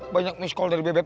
banyak miss call dari bebek